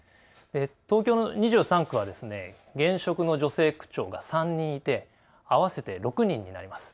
東京の２３区は現職の女性区長が３人いて合わせて６人になります。